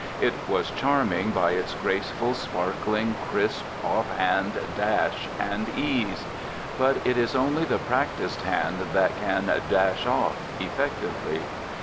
It was charming by its graceful, sparkling, crisp, off hand dash and ease. But it is only the practised hand that can "dash off" effectively.